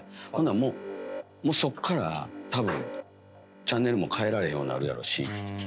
もう、そっから多分チャンネルも変えられへんようになるやろし。